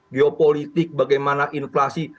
geopolitik bagaimana inflasi